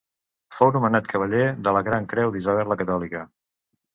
Fou nomenat cavaller de la Gran Creu d'Isabel la Catòlica.